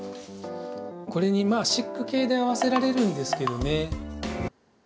これにまあシック系で合わせられるんですけどね。